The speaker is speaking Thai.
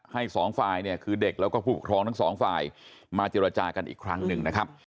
สองฝ่ายเนี่ยคือเด็กแล้วก็ผู้ปกครองทั้งสองฝ่ายมาเจรจากันอีกครั้งหนึ่งนะครับ